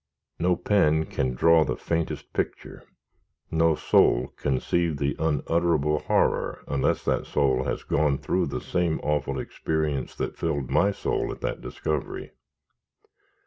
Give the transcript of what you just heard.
No pen can draw the faintest picture, no soul conceive the unutterable horror, unless that soul has gone through the same awful experience that filled my soul at that discovery.